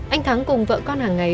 anh thắng cùng vợ con hàng ngày